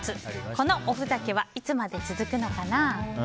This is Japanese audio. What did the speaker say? このおふざけはいつまで続くのかな。